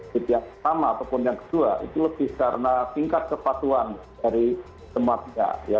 di pihak pertama ataupun yang kedua itu lebih karena tingkat kepatuan dari semua pihak